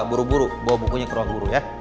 buru buru bawa bukunya ke ruang guru ya